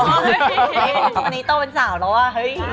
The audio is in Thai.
วันนี้โตเป็นสาวแล้วอะ